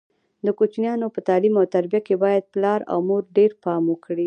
د کوچنیانو په تعلیم او تربیه کې باید پلار او مور ډېر پام وکړي.